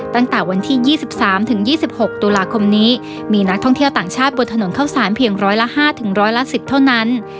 ตั้งแต่วันที่๒๓ถึง๒๖ตุลาคมนี้มีนักท่องเที่ยวต่างชาติบนถนนเข้าสารเพียงร้อยละ๕ร้อยละ๑๐เท่านั้น